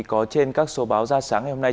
có trên các số báo ra sáng ngày hôm nay